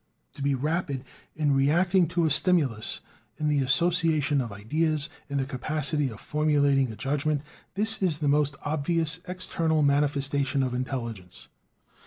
To be rapid in reacting to a stimulus, in the association of ideas, in the capacity of formulating a judgment this is the most obvious external manifestation of intelligence.